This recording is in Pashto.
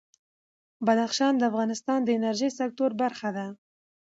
بدخشان د افغانستان د انرژۍ سکتور برخه ده.